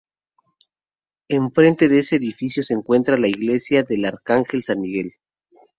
Enfrente de este edificio se encuentra la iglesia del Arcángel San Miguel.